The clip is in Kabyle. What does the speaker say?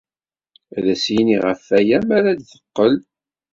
Ad as-yini ɣef waya mi ara d-teqqel.